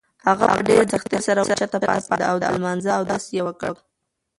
هغه په ډېرې سختۍ سره اوچته پاڅېده او د لمانځه اودس یې وکړ.